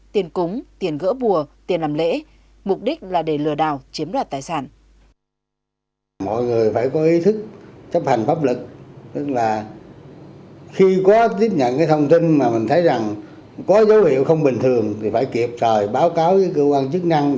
tiền cúng tiền gỡ bùa tiền làm lễ mục đích là để lừa đảo chiếm đoạt tài sản